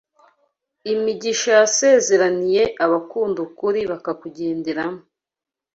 imigisha yasezeraniye abakunda ukuri bakakugenderamo